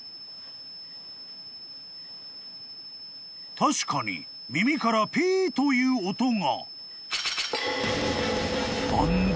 ［確かに耳からピーという音が］